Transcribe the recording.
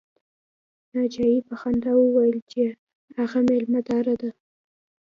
ناجیې په خندا وویل چې هغه مېلمه داره ده